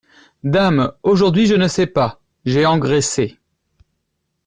Dame ! aujourd’hui, je ne sais pas… j’ai engraissé…